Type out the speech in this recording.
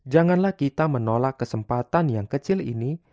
janganlah kita menolak kesempatan yang kecil ini